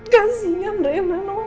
kasian rena noah